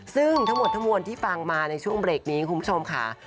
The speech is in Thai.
ซึ่งทั้งหมดทั้งมวลที่ฟังมาในช่วงเบรกนี้คุณผู้ชมค่ะ